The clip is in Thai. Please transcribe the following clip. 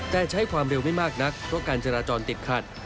แต่ใช้ความเร็วไม่มากนักเพราะการจราจรติดขัด